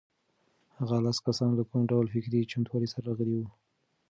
هغه لس کسان له کوم ډول فکري چمتووالي سره راغلي وو؟